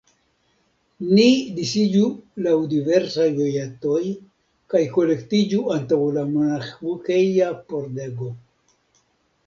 Ni disiĝu laŭ diversaj vojetoj, kaj kolektiĝu antaŭ la monaĥeja pordego.